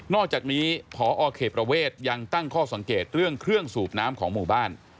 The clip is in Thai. อกจากนี้พอเขตประเวทยังตั้งข้อสังเกตเรื่องเครื่องสูบน้ำของหมู่บ้าน